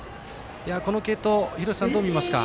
この継投、廣瀬さんどう見ますか？